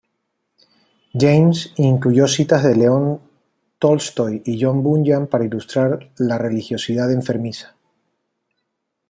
James incluyó citas de León Tolstoy y John Bunyan para ilustrar la religiosidad enfermiza.